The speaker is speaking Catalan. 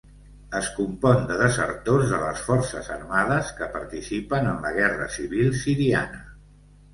Es compon de desertors de les Forces armades que participen en la Guerra civil siriana.